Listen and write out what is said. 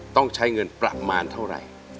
ต้องใช้เงินปรับมาร์นเท่าไร